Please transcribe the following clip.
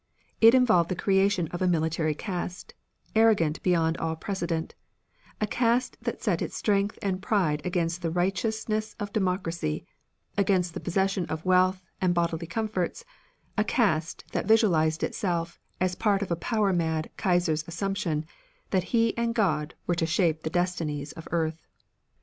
It involved the creation of a military caste, arrogant beyond all precedent, a caste that set its strength and pride against the righteousness of democracy, against the possession of wealth and bodily comforts, a caste that visualized itself as part of a power mad Kaiser's assumption that he and God were to shape the destinies of earth.